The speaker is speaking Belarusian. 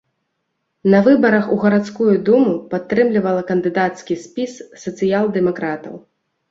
На выбарах у гарадскую думу падтрымлівала кандыдацкі спіс сацыял-дэмакратаў.